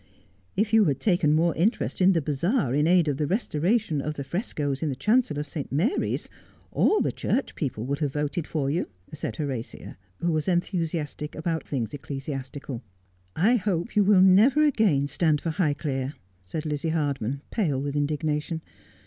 ' If you had taken more interest in the bazaar in aid of the restoration of the frescoes in the chancel of St. Mary's, all the rshurch people would have voted for you,' said Horatia, who was enthusiastic about things ecclesiastical. ' I hope you will never again stand for Highclere,' said Lizzie Hardman, pale with indignation.